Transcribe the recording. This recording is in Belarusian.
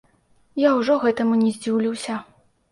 Я ўжо гэтаму не здзіўлюся.